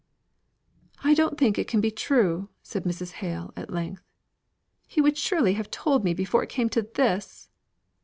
"I don't think it can be true," said Mrs. Hale, at length. "He would surely have told me before it came to this."